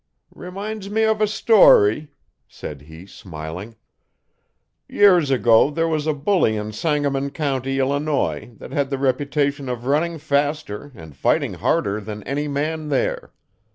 'Reminds me of a story,' said he smiling. 'Years ago there was a bully in Sangamon County, Illinois, that had the reputation of running faster and fighting harder than any man there.